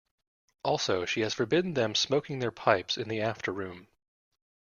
Also, she has forbidden them smoking their pipes in the after-room.